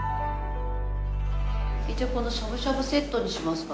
このしゃぶしゃぶセットにしますか？